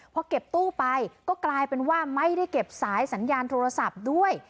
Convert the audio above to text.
พอเก็บตู้ไปก็กลายเป็นว่าไม่ได้เก็บสายสัญญาณโทรศัพท์ด้วย